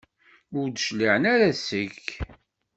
Ur d-cliɛen ara seg-k?